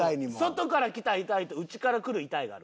外からきた「痛い」と内からくる「痛い」があるから。